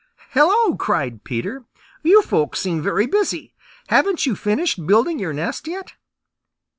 "Hello!" cried Peter. "You folks seem very busy. Haven't you finished building your nest yet?"